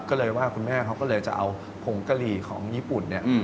ก็เลยว่าคุณแม่เขาก็เลยจะเอาผงกะหรี่ของญี่ปุ่นเนี่ย